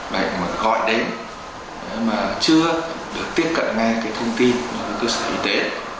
mình phải gọi đến mà chưa được tiếp cận ngay cái thông tin của cơ sở y tế